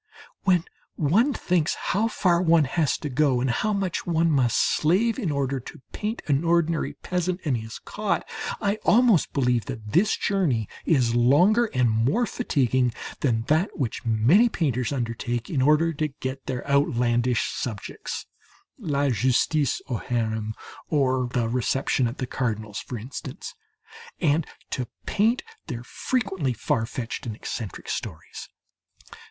When one thinks how far one has to go and how much one must slave in order to paint an ordinary peasant and his cot, I almost believe that this journey is longer and more fatiguing than that which many painters undertake in order to get their outlandish subjects "La Justice au Harem" or "The Reception at the Cardinal's," for instance and to paint their frequently far fetched and eccentric stories.